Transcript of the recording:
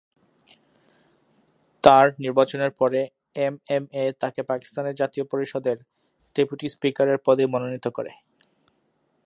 তার নির্বাচনের পরে এমএমএ তাকে পাকিস্তানের জাতীয় পরিষদের ডেপুটি স্পিকারের পদে মনোনীত করে।